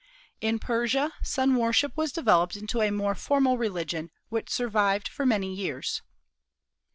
In Persia, Sun worship was developed into a more formal religion, which survived for many years.